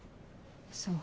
そう。